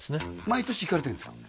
毎年行かれてるんですか？